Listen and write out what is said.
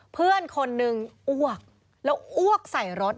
เพื่อนคนนึงอ้วกแล้วอ้วกใส่รถ